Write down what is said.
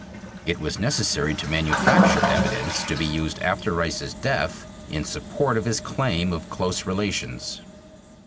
It was necessary to manufacture evidence to be used after Rice's death in support of his claim of close relations.